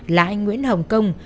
là anh nguyễn hồng công